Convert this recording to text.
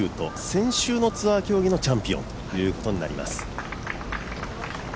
先週のツアー競技のチャンピオンということになります。